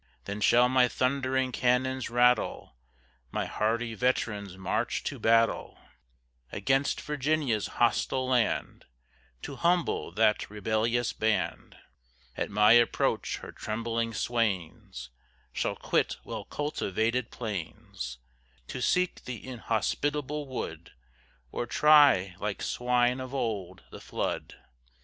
Then shall my thundering cannons rattle, My hardy veterans march to battle, Against Virginia's hostile land, To humble that rebellious band. At my approach her trembling swains Shall quit well cultivated plains, To seek the inhospitable wood; Or try, like swine of old, the flood.